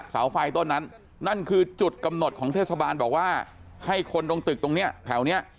เสาไฟต้นนั้นนั่นคือจุดกำหนดของเทศบาลบอกว่าให้คนตรงตึกตรงเนี้ยแถวเนี้ย